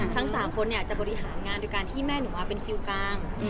ทั้ง๓คนจะบริหารงานโดยการที่แม่หนูมาเป็นคิวกลาง